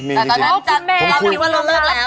แต่ตอนนั้นเราคิดว่าเราเลิกแล้ว